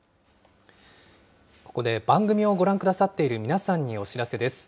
ここで番組をご覧くださっている皆さんにお知らせです。